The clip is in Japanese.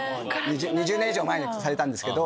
２０年以上前にされたんですけど。